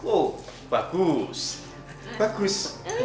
oh bagus bagus